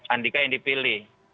anika yang dipilih